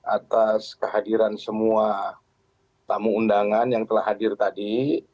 atas kehadiran semua tamu undangan yang telah hadir tadi